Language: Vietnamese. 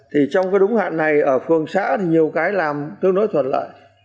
thì trong cái đúng hạn này ở phường xã thì nhiều cái làm tương đối thuận lợi